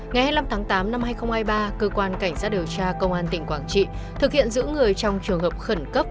ngày hai mươi năm tháng tám năm hai nghìn hai mươi ba cơ quan cảnh sát điều tra công an tỉnh quảng trị thực hiện giữ người trong trường hợp khẩn cấp